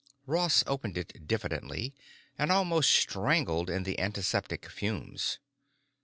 Ross opened it diffidently, and almost strangled in the antiseptic fumes.